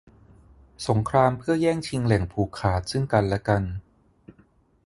สงครามเพื่อแย่งชิงแหล่งผูกขาดซึ่งกันและกัน